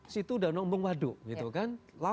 situ udah nombong waduk gitu kan